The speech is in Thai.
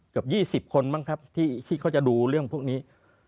เกือบ๒๐คนมั้งครับที่เขาจะดูเรื่องพวกนี้